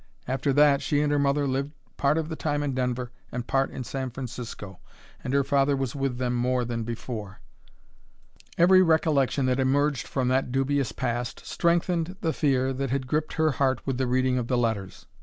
After that she and her mother lived part of the time in Denver and part in San Francisco, and her father was with them more than before. Every recollection that emerged from that dubious past strengthened the fear that had gripped her heart with the reading of the letters.